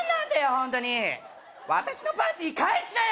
ホントに私のパンティー返しなよ